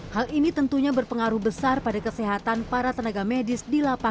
hal ini tentunya berpengaruh besar pada kesehatan para tenaga medis di lapangan